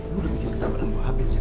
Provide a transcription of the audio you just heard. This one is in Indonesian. lo udah bikin kesabaran gue habis jah